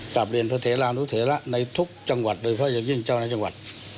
จากเรียนพระเถระนุเทระในทุกจังหวัดเลยเพราะอย่างยิ่งเจ้านาจังหวัด